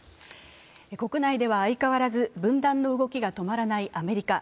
国内では相変わらず分断の動きが止まらないアメリカ。